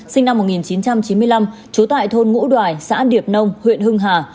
sinh năm một nghìn chín trăm chín mươi năm trú tại thôn ngũ đoài xã điệp nông huyện hưng hà